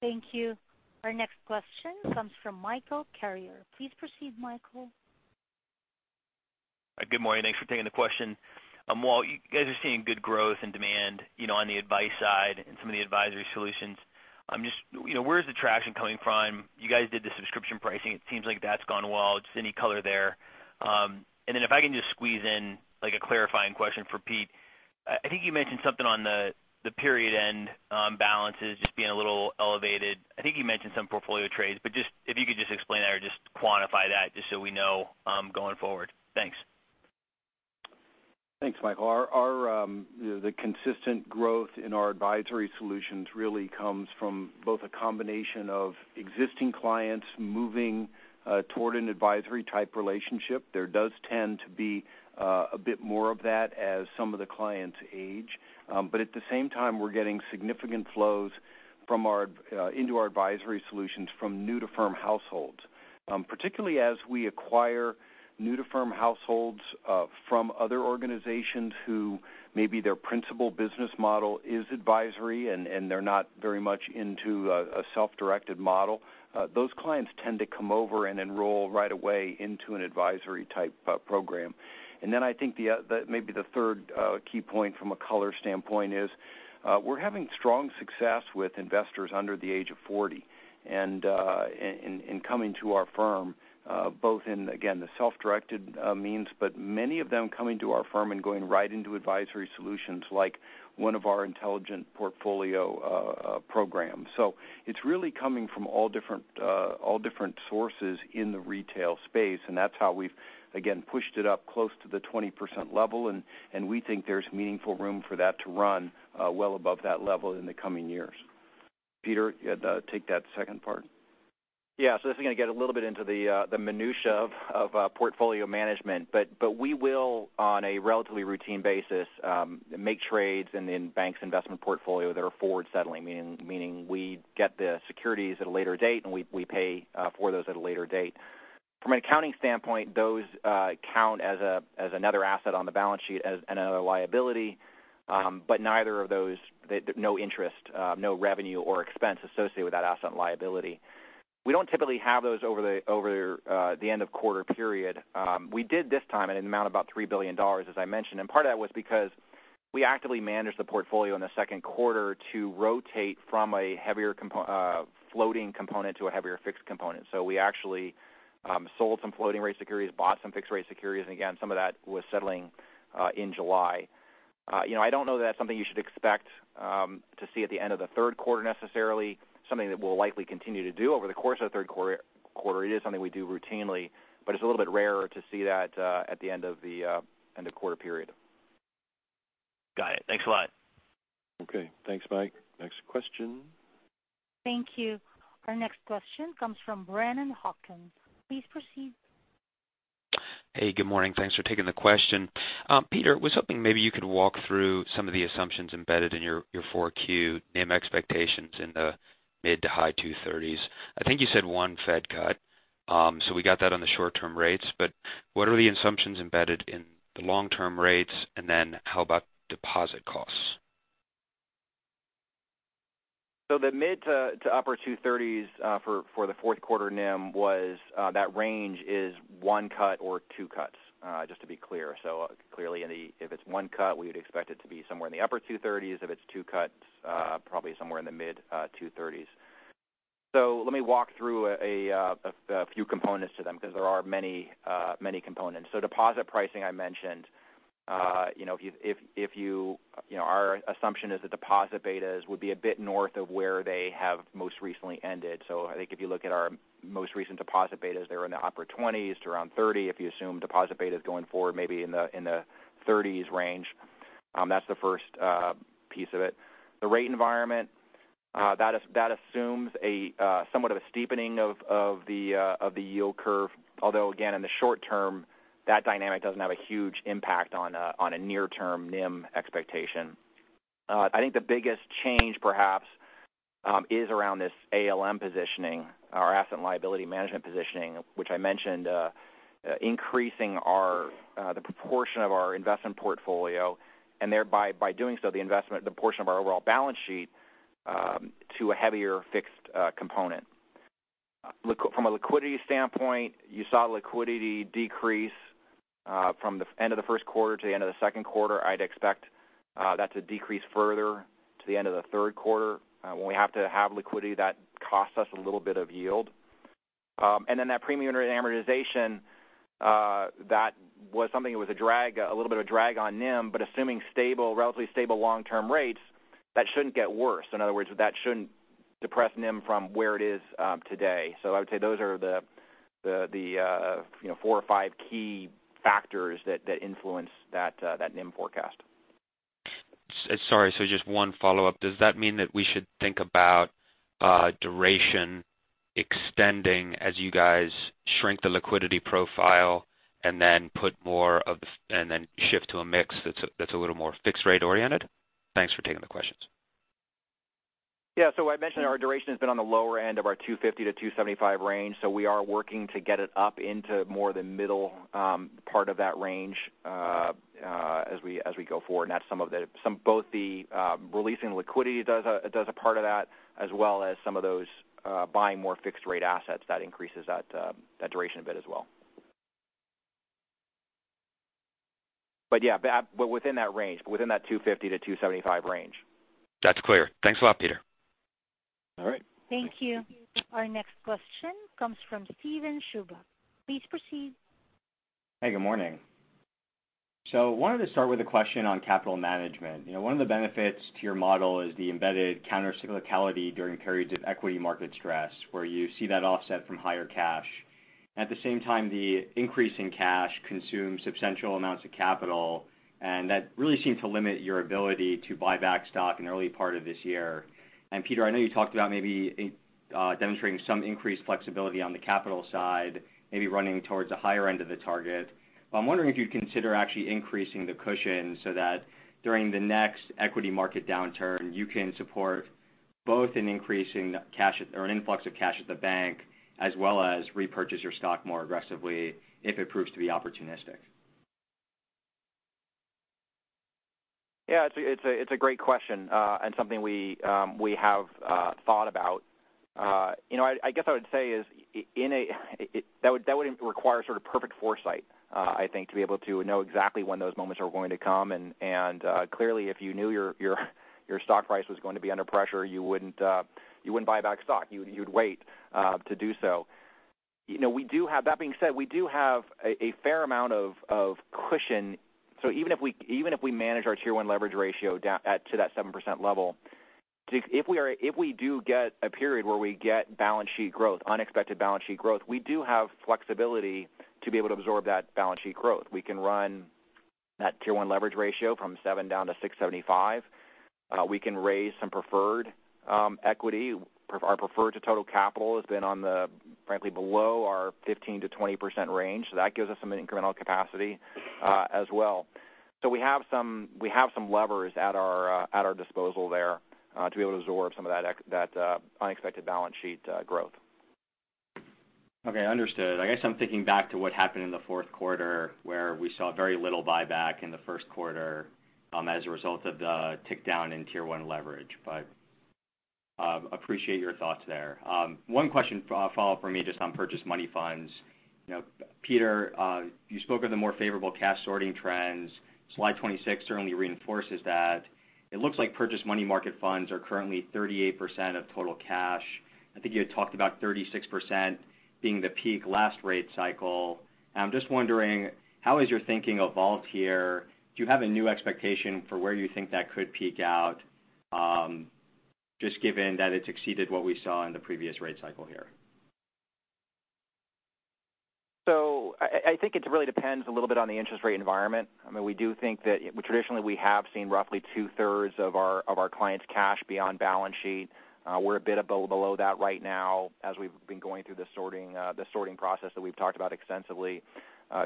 Thank you. Our next question comes from Michael Carrier. Please proceed, Michael. Good morning. Thanks for taking the question. While you guys are seeing good growth and demand on the advice side and some of the advisory solutions, where is the traction coming from? You guys did the subscription pricing. It seems like that's gone well. Just any color there? Then if I can just squeeze in a clarifying question for Pete. I think you mentioned something on the period-end balances just being a little elevated. I think you mentioned some portfolio trades, if you could just explain that or just quantify that, just so we know going forward. Thanks. Thanks, Michael. The consistent growth in our advisory solutions really comes from both a combination of existing clients moving toward an advisory-type relationship. There does tend to be a bit more of that as some of the clients age. At the same time, we're getting significant flows into our advisory solutions from new-to-firm households. Particularly as we acquire new-to-firm households from other organizations who maybe their principal business model is advisory and they're not very much into a self-directed model. Those clients tend to come over and enroll right away into an advisory-type program. I think maybe the third key point from a color standpoint is we're having strong success with investors under the age of 40 in coming to our firm, both in, again, the self-directed means, but many of them coming to our firm and going right into advisory solutions like one of our Intelligent Portfolio programs. It's really coming from all different sources in the retail space, and that's how we've, again, pushed it up close to the 20% level, and we think there's meaningful room for that to run well above that level in the coming years. Peter, take that second part. Yeah. This is going to get a little bit into the minutiae of portfolio management. We will, on a relatively routine basis, make trades in bank's investment portfolio that are forward settling, meaning we get the securities at a later date and we pay for those at a later date. From an accounting standpoint, those count as another asset on the balance sheet as another liability. Neither of those, no interest, no revenue or expense associated with that asset and liability. We don't typically have those over the end of quarter period. We did this time in an amount about $3 billion, as I mentioned. Part of that was because we actively managed the portfolio in the second quarter to rotate from a floating component to a heavier fixed component. We actually sold some floating-rate securities, bought some fixed-rate securities, and again, some of that was settling in July. I don't know that that's something you should expect to see at the end of the third quarter necessarily, something that we'll likely continue to do over the course of the third quarter. It is something we do routinely, but it's a little bit rarer to see that at the end of quarter period. Got it. Thanks a lot. Okay. Thanks, Mike. Next question. Thank you. Our next question comes from Brennan Hawken. Please proceed. Hey, good morning. Thanks for taking the question. Peter, I was hoping maybe you could walk through some of the assumptions embedded in your 4Q NIM expectations in the mid to high 230s. I think you said one Fed cut. We got that on the short-term rates, what are the assumptions embedded in the long-term rates? How about deposit costs? The mid to upper 230s for the fourth quarter NIM was that range is one cut or two cuts, just to be clear. Clearly if it's one cut, we would expect it to be somewhere in the upper 230s. If it's two cuts, probably somewhere in the mid 230s. Let me walk through a few components to them because there are many components. Deposit pricing I mentioned. Our assumption is the deposit betas would be a bit north of where they have most recently ended. I think if you look at our most recent deposit betas, they were in the upper 20s to around 30. If you assume deposit beta is going forward maybe in the 30s range. That's the first piece of it. The rate environment, that assumes somewhat of a steepening of the yield curve. Again, in the short term, that dynamic doesn't have a huge impact on a near-term NIM expectation. I think the biggest change perhaps is around this ALM positioning, our asset and liability management positioning, which I mentioned increasing the proportion of our investment portfolio and thereby by doing so, the investment, the portion of our overall balance sheet to a heavier fixed component. From a liquidity standpoint, you saw liquidity decrease from the end of the first quarter to the end of the second quarter. I'd expect that to decrease further to the end of the third quarter when we have to have liquidity that costs us a little bit of yield. That premium amortization, that was something that was a little bit of a drag on NIM, but assuming relatively stable long-term rates, that shouldn't get worse. In other words, that shouldn't depress NIM from where it is today. I would say those are the four or five key factors that influence that NIM forecast. Sorry. Just one follow-up. Does that mean that we should think about duration extending as you guys shrink the liquidity profile and then shift to a mix that's a little more fixed-rate oriented? Thanks for taking the questions. I mentioned our duration has been on the lower end of our 250-275 range. We are working to get it up into more the middle part of that range as we go forward. Both the releasing liquidity does a part of that, as well as some of those buying more fixed rate assets. That increases that duration a bit as well. Within that range, within that 250-275 range. That's clear. Thanks a lot, Peter. All right. Thank you. Our next question comes from Steven Chubak. Please proceed. Hey, good morning. Wanted to start with a question on capital management. One of the benefits to your model is the embedded countercyclicality during periods of equity market stress, where you see that offset from higher cash. At the same time, the increase in cash consumes substantial amounts of capital, and that really seemed to limit your ability to buy back stock in the early part of this year. Peter, I know you talked about maybe demonstrating some increased flexibility on the capital side, maybe running towards the higher end of the target. I'm wondering if you'd consider actually increasing the cushion so that during the next equity market downturn, you can support both an influx of cash at the bank as well as repurchase your stock more aggressively if it proves to be opportunistic. Yeah. It's a great question, and something we have thought about. I guess I would say that would require sort of perfect foresight, I think, to be able to know exactly when those moments are going to come, and clearly if you knew your stock price was going to be under pressure, you wouldn't buy back stock. You'd wait to do so. That being said, we do have a fair amount of cushion. Even if we manage our Tier 1 leverage ratio down to that 7% level, if we do get a period where we get unexpected balance sheet growth, we do have flexibility to be able to absorb that balance sheet growth. We can run that Tier 1 leverage ratio from 7% down to 6.75%. We can raise some preferred equity. Our preferred to total capital has been frankly below our 15%-20% range. That gives us some incremental capacity as well. We have some levers at our disposal there to be able to absorb some of that unexpected balance sheet growth. Okay, understood. I guess I'm thinking back to what happened in the fourth quarter, where we saw very little buyback in the first quarter as a result of the tick down in Tier 1 leverage, but appreciate your thoughts there. One question follow-up for me just on purchased money funds. Peter, you spoke of the more favorable cash sorting trends. Slide 26 certainly reinforces that. It looks like purchased money market funds are currently 38% of total cash. I think you had talked about 36% being the peak last rate cycle. I'm just wondering how has your thinking evolved here? Do you have a new expectation for where you think that could peak out, just given that it's exceeded what we saw in the previous rate cycle here? I think it really depends a little bit on the interest rate environment. I mean, we do think that traditionally we have seen roughly 2/3 of our clients' cash beyond balance sheet. We're a bit below that right now as we've been going through the sorting process that we've talked about extensively.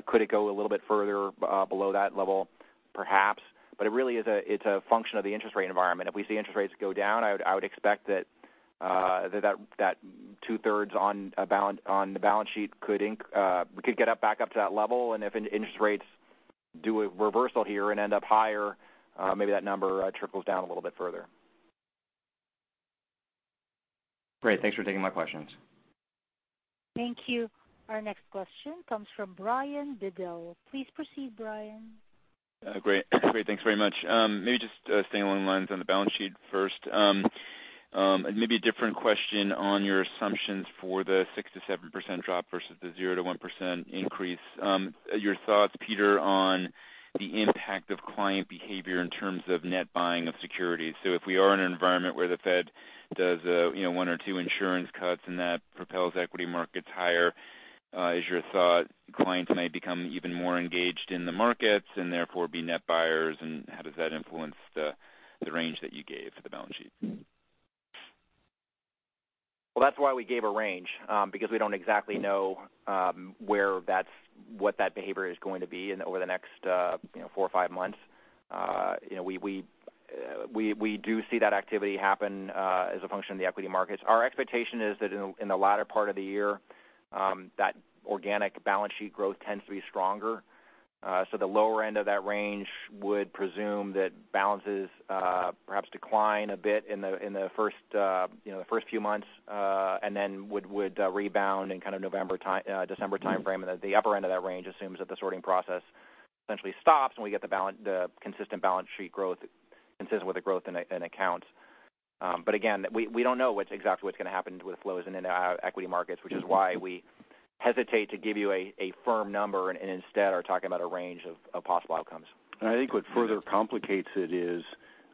Could it go a little bit further below that level? Perhaps, but it really is a function of the interest rate environment. If we see interest rates go down, I would expect that two-thirds on the balance sheet could get back up to that level, and if interest rates do a reversal here and end up higher, maybe that number trickles down a little bit further. Great. Thanks for taking my questions. Thank you. Our next question comes from Brian Bedell. Please proceed, Brian. Great. Thanks very much. Maybe just staying along the lines on the balance sheet first. Maybe a different question on your assumptions for the 6%-7% drop versus the 0%-1% increase. Your thoughts, Peter, on the impact of client behavior in terms of net buying of securities. If we are in an environment where the Fed does one or two insurance cuts and that propels equity markets higher, is your thought clients may become even more engaged in the markets and therefore be net buyers, and how does that influence the range that you gave for the balance sheet? Well, that's why we gave a range because we don't exactly know what that behavior is going to be over the next four or five months. We do see that activity happen as a function of the equity markets. Our expectation is that in the latter part of the year, that organic balance sheet growth tends to be stronger. The lower end of that range would presume that balances perhaps decline a bit in the first few months, and then would rebound in kind of November, December timeframe. The upper end of that range assumes that the sorting process essentially stops when we get the consistent balance sheet growth consistent with the growth in accounts. Again, we don't know exactly what's going to happen with flows in the equity markets, which is why we hesitate to give you a firm number and instead are talking about a range of possible outcomes. I think what further complicates it is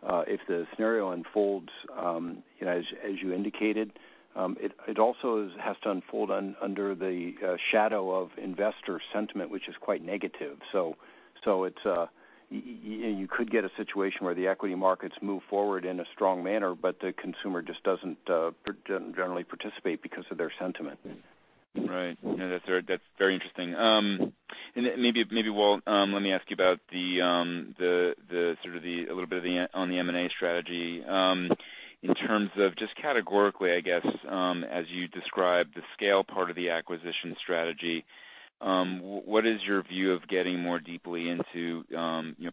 if the scenario unfolds as you indicated, it also has to unfold under the shadow of investor sentiment, which is quite negative. You could get a situation where the equity markets move forward in a strong manner, but the consumer just doesn't generally participate because of their sentiment. Right. That's very interesting. Maybe, Walt, let me ask you about a little bit on the M&A strategy. In terms of just categorically, I guess, as you describe the scale part of the acquisition strategy, what is your view of getting more deeply into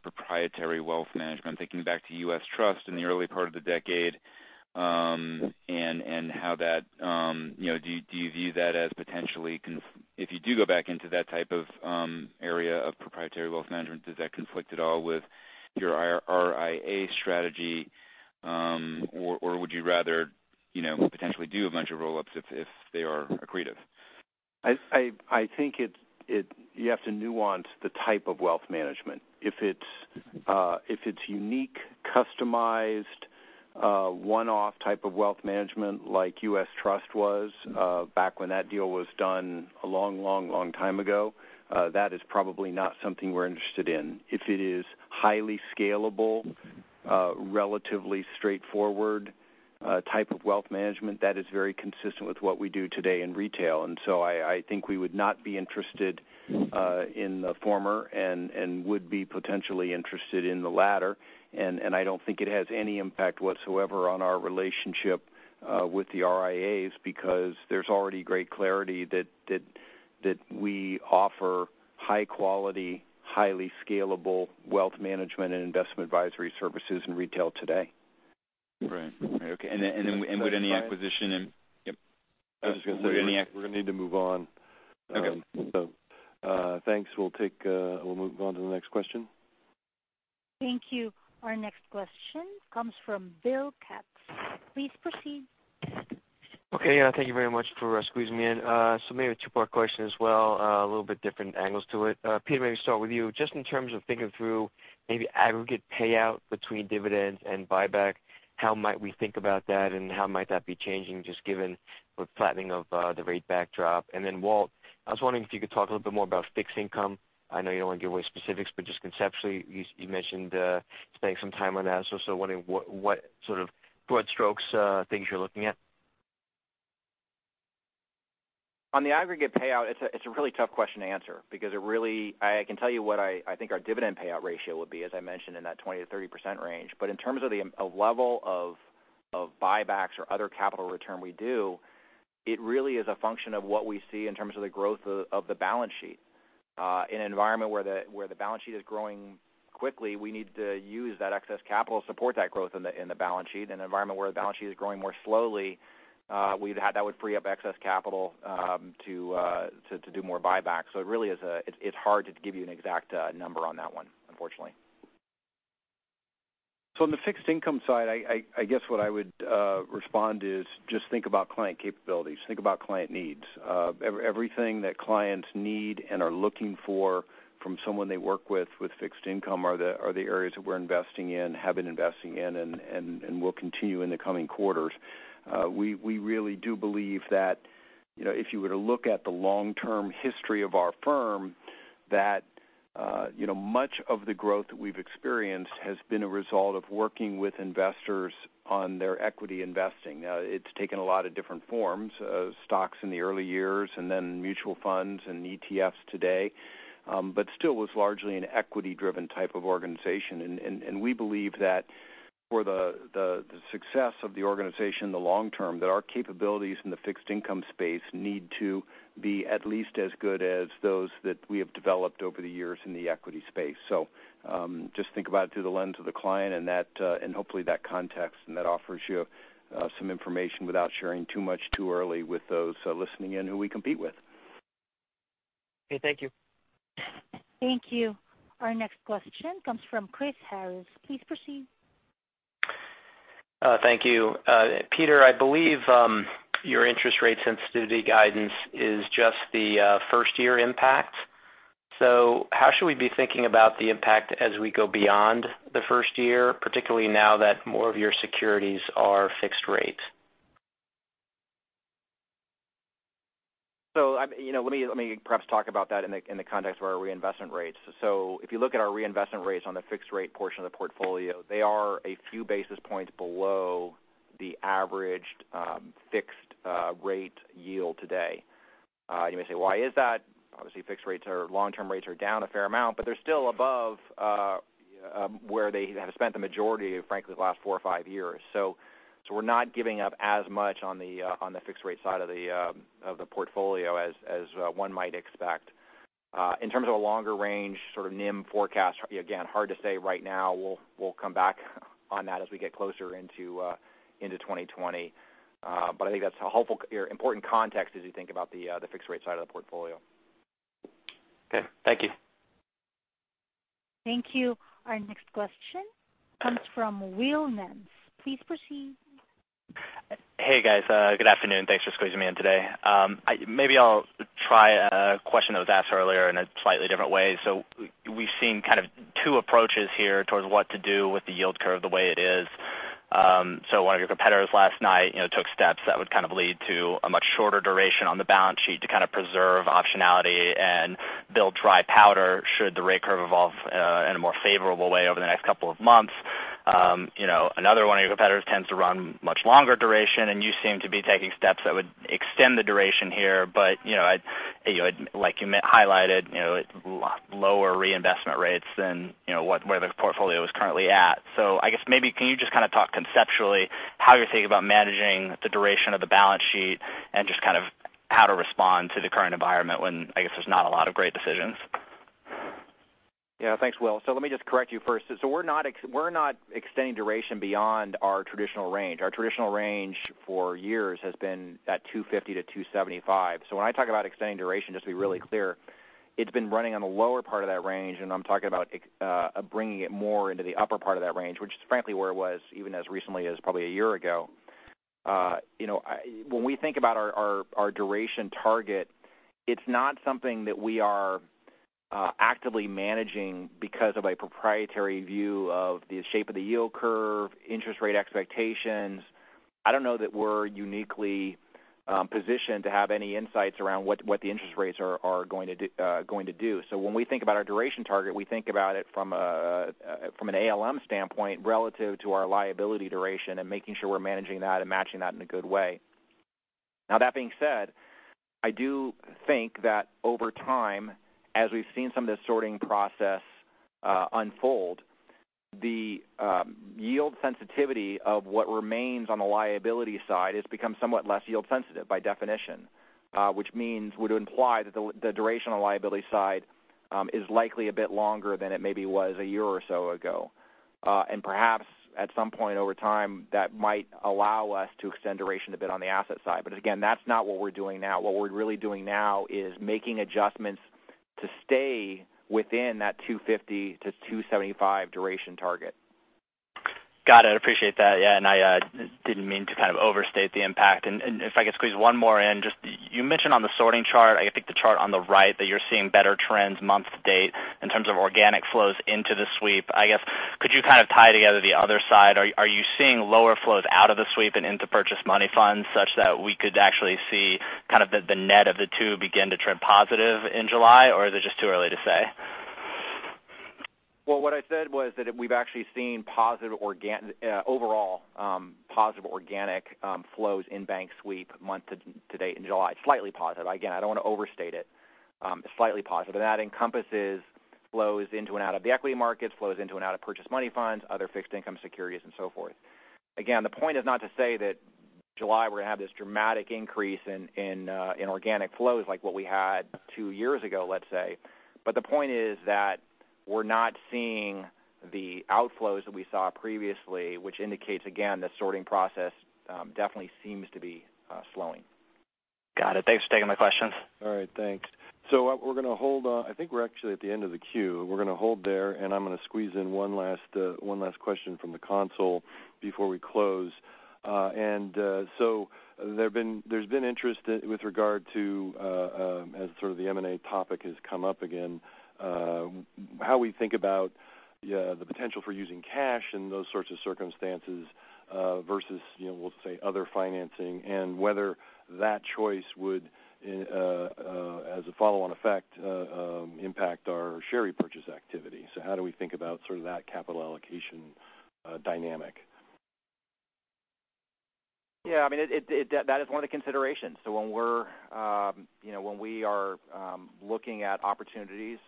proprietary wealth management, thinking back to U.S. Trust in the early part of the decade, and do you view that as potentially, if you do go back into that type of area of proprietary wealth management, does that conflict at all with your RIA strategy? Would you rather potentially do a bunch of roll-ups if they are accretive? I think you have to nuance the type of wealth management. If it's unique, customized, one-off type of wealth management like U.S. Trust was back when that deal was done a long time ago, that is probably not something we're interested in. If it is highly scalable, relatively straightforward type of wealth management, that is very consistent with what we do today in retail. I think we would not be interested in the former and would be potentially interested in the latter. I don't think it has any impact whatsoever on our relationship with the RIAs because there's already great clarity that we offer high quality, highly scalable wealth management and investment advisory services in retail today. Right. Okay. Would any acquisition and, yep. We're going to need to move on. Okay. Thanks. We'll move on to the next question. Thank you. Our next question comes from Bill Katz. Please proceed. Okay. Thank you very much for squeezing me in. Maybe a two-part question as well, a little bit different angles to it. Peter, maybe start with you. Just in terms of thinking through maybe aggregate payout between dividends and buyback, how might we think about that and how might that be changing just given the flattening of the rate backdrop? Walt, I was wondering if you could talk a little bit more about fixed income. I know you don't want to give away specifics, but just conceptually, you mentioned spending some time on that. Wondering what sort of broad strokes things you're looking at. On the aggregate payout, it's a really tough question to answer because I can tell you what I think our dividend payout ratio would be, as I mentioned in that 20%-30% range. In terms of the level of buybacks or other capital return we do, it really is a function of what we see in terms of the growth of the balance sheet. In an environment where the balance sheet is growing quickly, we need to use that excess capital to support that growth in the balance sheet. In an environment where the balance sheet is growing more slowly, that would free up excess capital to do more buybacks. It really is hard to give you an exact number on that one, unfortunately. On the fixed income side, I guess what I would respond is just think about client capabilities. Think about client needs. Everything that clients need and are looking for from someone they work with fixed income are the areas that we're investing in, have been investing in, and will continue in the coming quarters. We really do believe that if you were to look at the long-term history of our firm, that much of the growth that we've experienced has been a result of working with investors on their equity investing. Now, it's taken a lot of different forms. Stocks in the early years, and then mutual funds and ETFs today. Still was largely an equity-driven type of organization. We believe that for the success of the organization in the long term, that our capabilities in the fixed income space need to be at least as good as those that we have developed over the years in the equity space. Just think about it through the lens of the client and hopefully that context and that offers you some information without sharing too much too early with those listening in who we compete with. Okay. Thank you. Thank you. Our next question comes from Chris Harris. Please proceed. Thank you. Peter, I believe your interest rate sensitivity guidance is just the first-year impact. How should we be thinking about the impact as we go beyond the first year, particularly now that more of your securities are fixed rate? Let me perhaps talk about that in the context of our reinvestment rates. If you look at our reinvestment rates on the fixed rate portion of the portfolio, they are a few basis points below the averaged fixed rate yield today. You may say, "Why is that?" Obviously, fixed rates or long-term rates are down a fair amount, but they're still above where they have spent the majority of, frankly, the last four or five years. We're not giving up as much on the fixed rate side of the portfolio as one might expect. In terms of a longer range sort of NIM forecast, again, hard to say right now. We'll come back on that as we get closer into 2020. I think that's a helpful, important context as you think about the fixed rate side of the portfolio. Okay. Thank you. Thank you. Our next question comes from Will Nance. Please proceed. Hey, guys. Good afternoon. Thanks for squeezing me in today. Maybe I'll try a question that was asked earlier in a slightly different way. We've seen kind of two approaches here towards what to do with the yield curve the way it is. One of your competitors last night took steps that would kind of lead to a much shorter duration on the balance sheet to kind of preserve optionality and build dry powder should the rate curve evolve in a more favorable way over the next couple of months. Another one of your competitors tends to run much longer duration, and you seem to be taking steps that would extend the duration here. Like you highlighted, lower reinvestment rates than where the portfolio is currently at. I guess maybe can you just talk conceptually how you're thinking about managing the duration of the balance sheet and just how to respond to the current environment when, I guess there's not a lot of great decisions? Yeah. Thanks, Will. Let me just correct you first. We're not extending duration beyond our traditional range. Our traditional range for years has been that 250-275. When I talk about extending duration, just to be really clear, it's been running on the lower part of that range, and I'm talking about bringing it more into the upper part of that range, which is frankly where it was even as recently as probably one year ago. When we think about our duration target, it's not something that we are actively managing because of a proprietary view of the shape of the yield curve, interest rate expectations. I don't know that we're uniquely positioned to have any insights around what the interest rates are going to do. When we think about our duration target, we think about it from an ALM standpoint relative to our liability duration and making sure we're managing that and matching that in a good way. Now, that being said, I do think that over time, as we've seen some of this sorting process unfold, the yield sensitivity of what remains on the liability side has become somewhat less yield sensitive by definition, which would imply that the duration on the liability side is likely a bit longer than it maybe was a year or so ago. Perhaps at some point over time, that might allow us to extend duration a bit on the asset side. Again, that's not what we're doing now. What we're really doing now is making adjustments to stay within that 250-275 duration target. Got it. Appreciate that. I didn't mean to overstate the impact. If I could squeeze one more in, just you mentioned on the sorting chart, I think the chart on the right that you're seeing better trends month to date in terms of organic flows into the sweep. I guess, could you kind of tie together the other side? Are you seeing lower flows out of the sweep and into purchased money funds such that we could actually see the net of the two begin to trend positive in July? Is it just too early to say? Well, what I said was that we've actually seen overall positive organic flows in Bank Sweep month to date in July. Slightly positive. I don't want to overstate it. Slightly positive. That encompasses flows into and out of the equity markets, flows into and out of purchased money funds, other fixed income securities and so forth. The point is not to say that July we're going to have this dramatic increase in organic flows like what we had two years ago, let's say. The point is that we're not seeing the outflows that we saw previously, which indicates again, the sorting process definitely seems to be slowing. Got it. Thanks for taking my questions. All right, thanks. I think we're actually at the end of the queue. We're going to hold there and I'm going to squeeze in one last question from the console before we close. There's been interest with regard to as sort of the M&A topic has come up again, how we think about the potential for using cash in those sorts of circumstances versus we'll say other financing and whether that choice would as a follow-on effect impact our share repurchase activity. How do we think about sort of that capital allocation dynamic? Yeah, I mean that is one of the considerations. When we are looking at opportunities,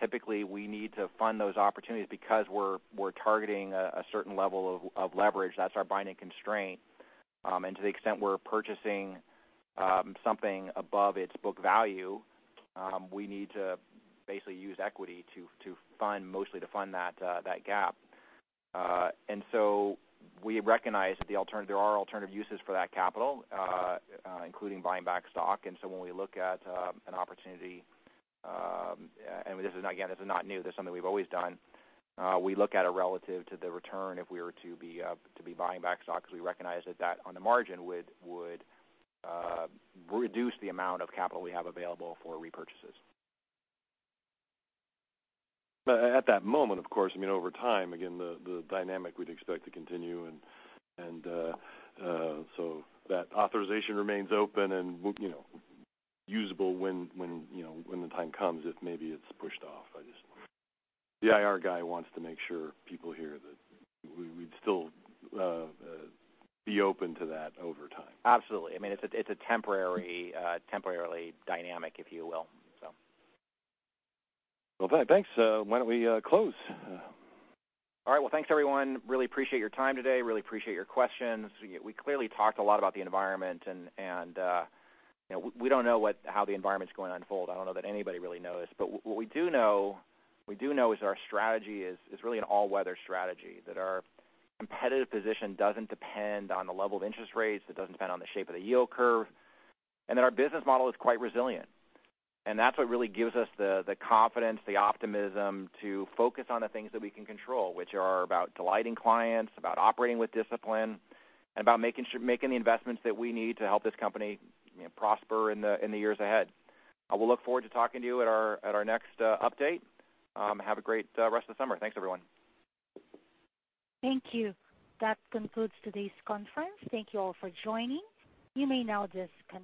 typically we need to fund those opportunities because we're targeting a certain level of leverage. That's our binding constraint. To the extent we're purchasing something above its book value, we need to basically use equity mostly to fund that gap. We recognize there are alternative uses for that capital, including buying back stock. When we look at an opportunity, and again, this is not new, this is something we've always done. We look at it relative to the return if we were to be buying back stock because we recognize that on the margin would reduce the amount of capital we have available for repurchases. At that moment, of course, I mean over time, again, the dynamic we'd expect to continue and so that authorization remains open and usable when the time comes if maybe it's pushed off. The IR guy wants to make sure people hear that we'd still be open to that over time. Absolutely. I mean it's a temporarily dynamic, if you will. Well, thanks. Why don't we close? All right. Well, thanks everyone. Really appreciate your time today. Really appreciate your questions. We clearly talked a lot about the environment, and we don't know how the environment's going to unfold. I don't know that anybody really knows. What we do know is our strategy is really an all-weather strategy, that our competitive position doesn't depend on the level of interest rates, it doesn't depend on the shape of the yield curve, and that our business model is quite resilient. That's what really gives us the confidence, the optimism to focus on the things that we can control, which are about delighting clients, about operating with discipline, and about making the investments that we need to help this company prosper in the years ahead. We'll look forward to talking to you at our next update. Have a great rest of the summer. Thanks, everyone. Thank you. That concludes today's conference. Thank you all for joining. You may now disconnect.